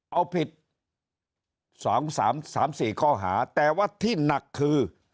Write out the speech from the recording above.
เอาผิด๒๓๔ข้อหาแต่ว่าที่หนักคือ